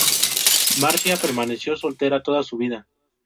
Marcia permaneció soltera toda su vida.